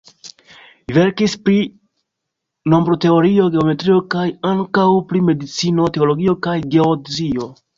Verkis pri nombroteorio, geometrio kaj ankaŭ pri medicino, teologio kaj geodezio.